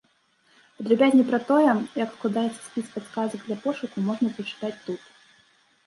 Падрабязней пра тое, як складаецца спіс падказак для пошуку, можна прачытаць тут.